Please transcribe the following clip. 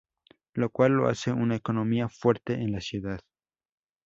Lo cual lo hace una economía fuerte en la ciudad.